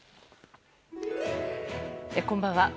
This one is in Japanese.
こんばんは。